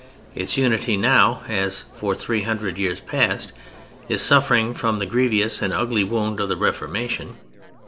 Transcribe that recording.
Its unity now (as for three hundred years past) is suffering from the grievous and ugly wound of the Reformation.